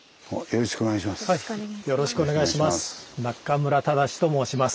よろしくお願いします。